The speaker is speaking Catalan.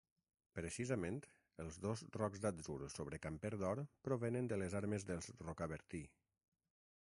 Precisament els dos rocs d'atzur sobre camper d'or provenen de les armes dels Rocabertí.